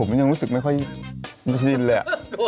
ผมยังรู้สึกไม่ค่อยชินเลย